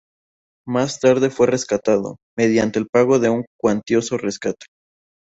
Más tarde fue rescatado, mediante el pago de un cuantioso rescate.